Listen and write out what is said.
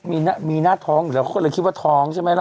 มีหน้าท้องหรอคนเลยคิดว่าท้องใช่ไหมล่ะ